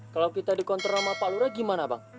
kalau kita dikontrol sama pak lura gimana bang